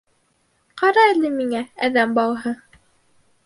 Ҡара әле миңә, әҙәм балаһы.